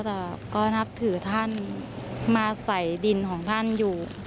แต่ก็นับถือท่านมาใส่ดินของท่านอยู่